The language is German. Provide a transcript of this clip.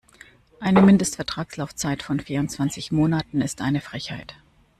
Eine Mindestvertragslaufzeit von vierundzwanzig Monaten ist eine Frechheit.